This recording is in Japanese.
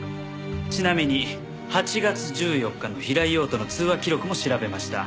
ちなみに８月１４日の平井陽との通話記録も調べました。